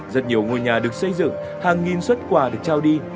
rất nhiều ngôi nhà được xây dựng hàng nghìn xuất quà được trao đi